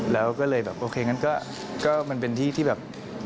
แล้วก็เลยแบบโอเคงั้นก็มันเป็นที่ที่แบบ